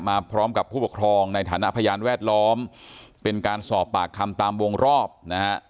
มาพร้อมกับผู้ปกครองในฐานะพยานแวดล้อมเป็นการสอบปากคำตามวงรอบนะฮะ